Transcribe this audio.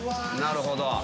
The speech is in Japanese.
なるほど。